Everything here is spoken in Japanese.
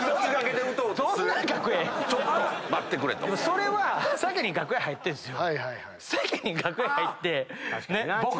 それは先に楽屋入ってんすよ。